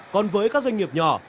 còn với các doanh nghiệp nhỏ